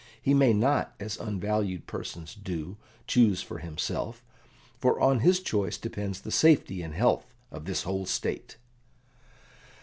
He may not, as unvalued persons do, choose for himself, for on his choice depends the safety and health of this whole State."